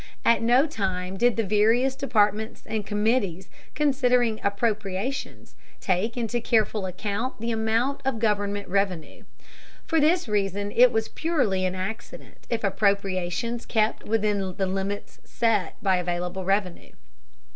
At no time did the various departments and committees considering appropriations take into careful account the amount of government revenue. For this reason it was purely an accident if appropriations kept within the limits set by available revenue.